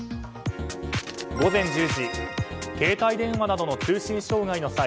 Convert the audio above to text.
午前１０時携帯電話などの通信障害の際